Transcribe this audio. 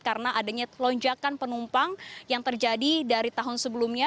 karena adanya lonjakan penumpang yang terjadi dari tahun sebelumnya